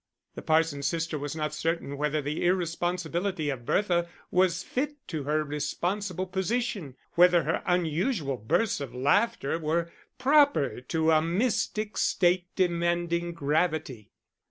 The parson's sister was not certain whether the irresponsibility of Bertha was fit to her responsible position, whether her unusual bursts of laughter were proper to a mystic state demanding gravity.